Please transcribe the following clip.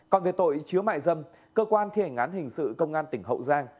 còn về tội chứa mại dâm cơ quan thi hành án hình sự công an tỉnh hậu giang